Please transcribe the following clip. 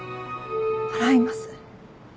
払います。